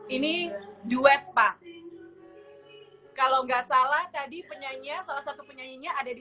ini duet pak kalau nggak salah tadi penyanyi salah satu penyanyinya ada di